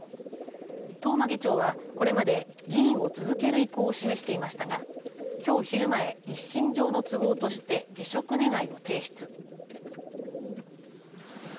東間議長はこれまで議員を続ける意向を示していましたがきょう昼前、一身上の都合として辞職願を提出。